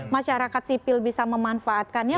masyarakat sipil bisa memanfaatkannya